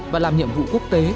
và làm nhiệm vụ quốc tế